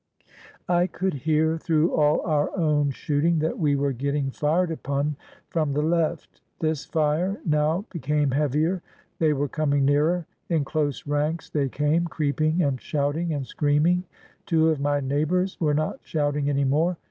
I could hear through all our own shooting that we were getting fired upon from the left. This fire now be came heavier. They were coming nearer. In close ranks they came, creeping and shouting and screaming. Two of my neighbors were not shouting any more.